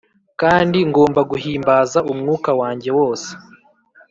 kandi ngomba guhimbaza umwuka wanjye wose.